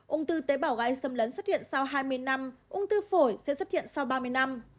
ung tư tế bảo gai xâm lấn xuất hiện sau hai mươi năm ung tư phổi sẽ xuất hiện sau ba mươi năm